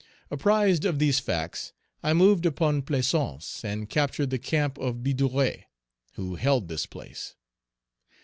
Apprised of these facts, I moved upon Plaisance and captured the camp of Bidouret, who held this place.